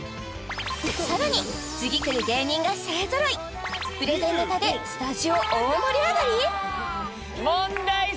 さらに次くる芸人が勢ぞろいプレゼンネタでスタジオ大盛り上がり？